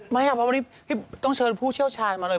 ไม่ต้องเชิญผู้เชี่ยวชาญมาเลย